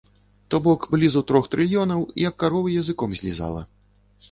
То бок блізу трох трыльёнаў як карова языком злізала.